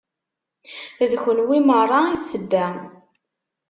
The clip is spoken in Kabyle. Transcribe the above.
D kunwi merra i d ssebba.